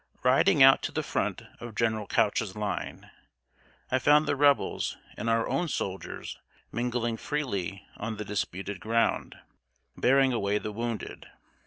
Riding out to the front of General Couch's line, I found the Rebels and our own soldiers mingling freely on the disputed ground, bearing away the wounded.